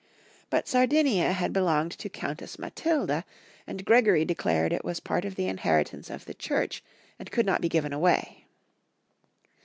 But Sar dinia had belonged to Countess Matilda, and Greg ory declared it was part of the inheritance of the Church, and could not be given away.